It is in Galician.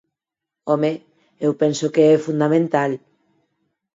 Home, eu penso que é fundamental.